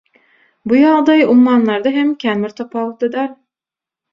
Bu ýagdaý ummanlarda hem kän bir tapawutly däl.